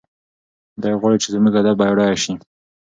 دی غواړي چې زموږ ادب بډایه شي.